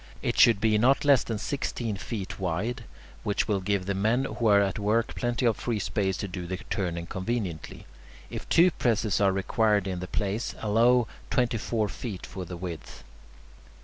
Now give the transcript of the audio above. It should be not less than sixteen feet wide, which will give the men who are at work plenty of free space to do the turning conveniently. If two presses are required in the place, allow twenty four feet for the width.